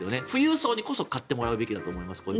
富裕層にこそ買ってもらうべきだと思います。